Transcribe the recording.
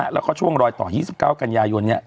แล้วก็ช่วงรอยต่อ๒๙กันยายน